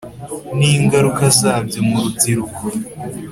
n’ingaruka zabyo mu rubyiruko,